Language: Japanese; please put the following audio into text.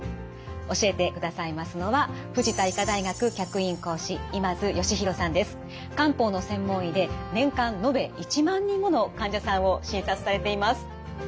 教えてくださいますのは漢方の専門医で年間延べ１万人もの患者さんを診察されています。